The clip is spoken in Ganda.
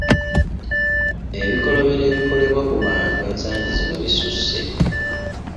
Ebikolobero ebikolebwa ku bantu ensangi zino bisusse.